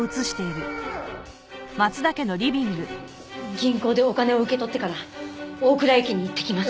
銀行でお金を受け取ってから大蔵駅に行ってきます。